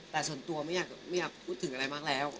แต่ส่วนตัวไม่อยากพูดถึงอะไรมากแล้ว